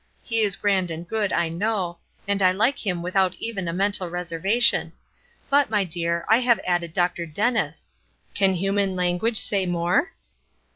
He is grand and good, I know, and I like him without even a mental reservation; but, my dear, I have added Dr. Dennis! Can human language say more?